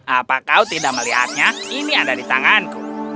apa kau tidak melihatnya ini ada di tanganku